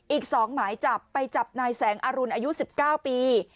อีก๒หมายจับไปจับนายแสงอรุณอายุ๑๙ปี